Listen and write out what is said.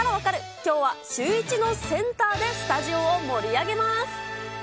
きょうはシューイチのセンターでスタジオを盛り上げます。